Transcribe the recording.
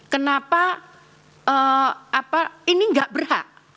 kenapa apa ini enggak berhak